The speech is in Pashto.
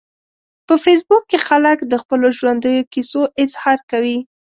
په فېسبوک کې خلک د خپلو ژوندیو کیسو اظهار کوي